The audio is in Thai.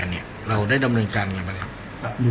เราได้ดำเนินการอย่างไรบ้างครับ